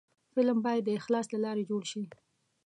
فلم باید د اخلاص له لارې جوړ شي